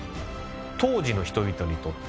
当時の人々にとって